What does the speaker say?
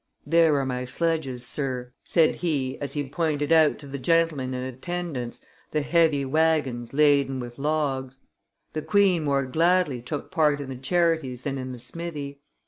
"There are my sledges, sirs," said he as he pointed out to the gentlemen in attendance the heavy wagons laden with logs. The queen more gladly took part in the charities than in the smithy.